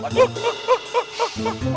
punya apa itu